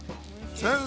先生。